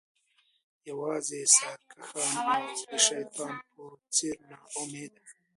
یوازې سرکښان او د شیطان په څیر ناامیده